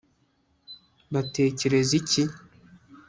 batekereza iki